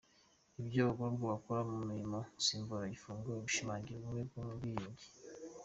Ibyo abagororwa bakora mu mirimo nsimbura gifungo bishimangira ubumwe n’ubwiyunge